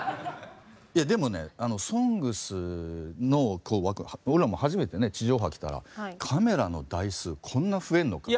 いやでもね「ＳＯＮＧＳ」のこう枠俺らも初めてね地上波来たらカメラの台数こんな増えんのか。